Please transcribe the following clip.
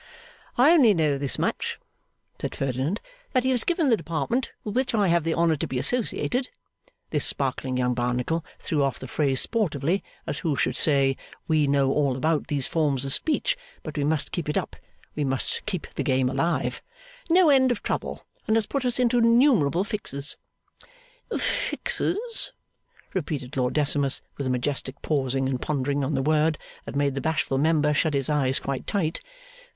'I only know this much,' said Ferdinand, 'that he has given the Department with which I have the honour to be associated;' this sparkling young Barnacle threw off the phrase sportively, as who should say, We know all about these forms of speech, but we must keep it up, we must keep the game alive; 'no end of trouble, and has put us into innumerable fixes.' 'Fixes?' repeated Lord Decimus, with a majestic pausing and pondering on the word that made the bashful Member shut his eyes quite tight.